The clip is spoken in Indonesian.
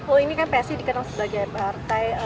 oh ini kan psi dikenal sebagai partai